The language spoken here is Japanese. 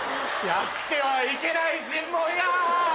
やってはいけない尋問や。